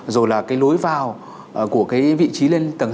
rồi là cái lối vào của cái vị trí lên tầng